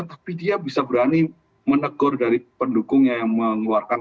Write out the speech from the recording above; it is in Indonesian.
tapi dia bisa berani menegur dari pendukungnya yang mengeluarkan